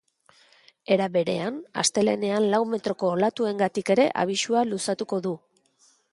Era berean, astelehenean lau metroko olatuengatik ere abisua luzatuko du.